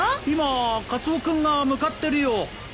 今カツオ君が向かってるよ。